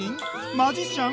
マジシャン？